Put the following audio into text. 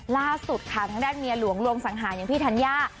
ล่าสุดค่ะทางด้านเมียหลวงลวงสังหารอย่างพี่ธัญญา